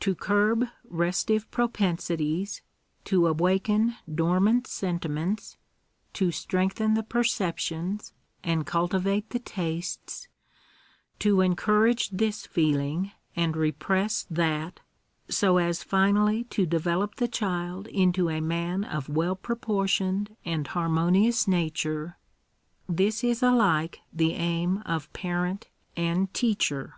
To I curb restive propensities, to awaken dormant sentiments, to Digitized by VjOOQIC THE RIGHTS OF CHILDREN. 181 strengthen the perceptions, and cultivate the tastes, to en courage this feeling and repress that, so as finally to develop the child into a man of well proportioned and harmonious nature— this is alike the aim of parent and teaoher.